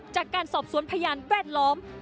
จากการสอบสวนพยานแวดล้อม